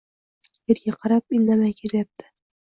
Yerga qarab, indamay kelyapti